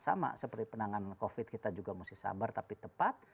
sama seperti penanganan covid kita juga mesti sabar tapi tepat